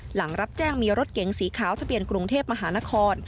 หลังรับแจ้งมีรถเก๋งสีขาวทะเบียนกรุงเทพมหานคร